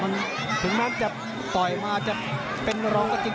มันถึงแม้จะต่อยมาจะเป็นรองก็จริง